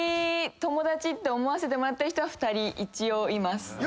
友達って思わせてもらってる人は２人一応います。